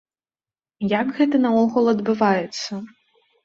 Як гэта наогул адбываецца?